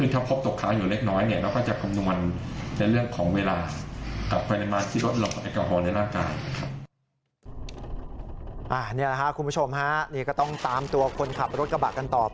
ถ้าพบตกค้างอยู่เล็กน้อยเราก็จะกำหนด